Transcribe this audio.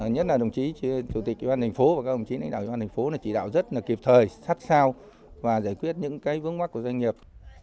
nhất là đồng chí chủ tịch ubnd tp và các đồng chí lãnh đạo ubnd tp chỉ đạo rất là kịp thời sát sao và giải quyết những vướng mắt của doanh nghiệp